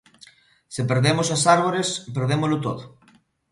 "Se perdemos as árbores, perdémolo todo".